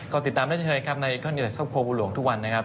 ก็ติดตามได้เฉยครับในข้าวเหนียวครอบครัวบัวหลวงทุกวันนะครับ